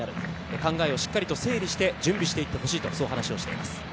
考えをしっかり整理して準備していってほしいと話しています。